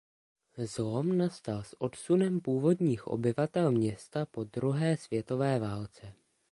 Zlom nastal s odsunem původních obyvatel města po druhé světové válce.